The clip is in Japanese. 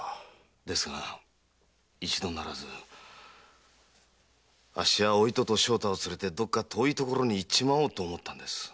ですが一度ならずあっしはお糸と正太を連れてどこか遠い所に行っちまおうと思ったんです。